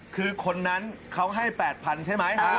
คือคนนั้นเขาให้๘๐๐๐ใช่ไหม